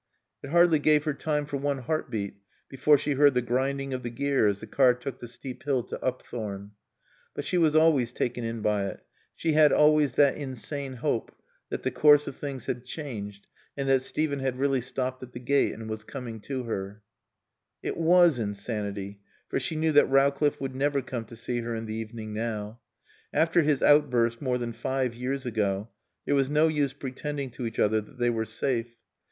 It hardly gave her time for one heart beat before she heard the grinding of the gear as the car took the steep hill to Upthorne. But she was always taken in by it. She had always that insane hope that the course of things had changed and that Steven had really stopped at the gate and was coming to her. It was insanity, for she knew that Rowcliffe would never come to see her in the evening now. After his outburst, more than five years ago, there was no use pretending to each other that they were safe.